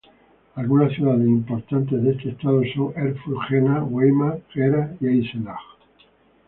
Algunas ciudades importantes de este estado son Erfurt, Jena, Weimar, Gera y Eisenach.